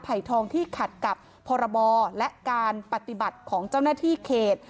ทองที่ขัดกับพรบและการปฏิบัติของเจ้าหน้าที่เขต